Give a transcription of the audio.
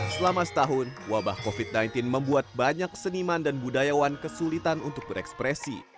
selama setahun wabah covid sembilan belas membuat banyak seniman dan budayawan kesulitan untuk berekspresi